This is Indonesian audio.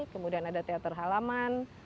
kemudian ada teater halaman